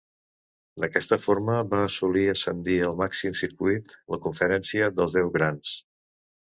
D'aquesta forma van assolir ascendir al màxim circuit, la conferència dels Deu Grans.